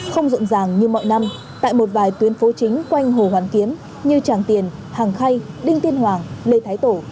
không rộn ràng như mọi năm tại một vài tuyến phố chính quanh hồ hoàn kiếm như tràng tiền hàng khay đinh tiên hoàng lê thái tổ